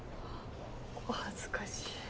お恥ずかしい。